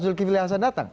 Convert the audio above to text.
julki fliassan datang